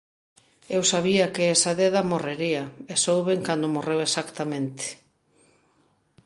Eu sabía que esa deda morrería, e souben cando morreu exactamente.